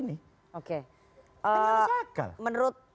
ini gak ada akal menurut